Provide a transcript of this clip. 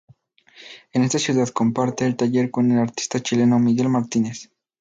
En esta ciudad comparte el taller con el artista chileno Miguel Martínez.